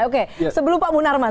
oke sebelum pak hunarman